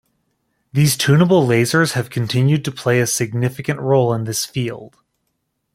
These tunable lasers have continued to play a significant role in this field.